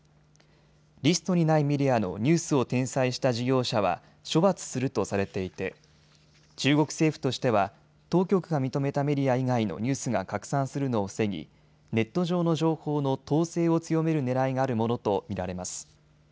リストにないメディアのニュースを転載した事業者は処罰するとされていて中国政府としては当局が認めたメディア以外のニュースが拡散するのを防ぎネット上の情報の統制を強めるねらいがあるものと見られます。